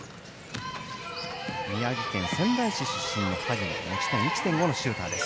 宮城県仙台市出身持ち点１．５のシューター。